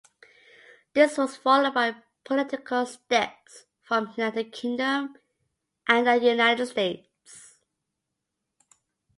This was followed by political steps from United Kingdom and the United States.